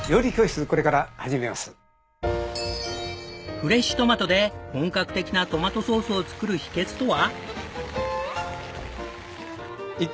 フレッシュトマトで本格的なトマトソースを作る秘訣とは？